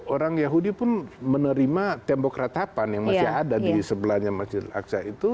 orang yahudi pun menerima tembok ratapan yang masih ada di sebelahnya masjid aksa itu